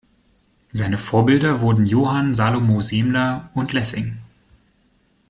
Seine Vorbilder wurden Johann Salomo Semler und Lessing.